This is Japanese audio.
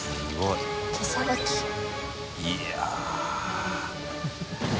いや。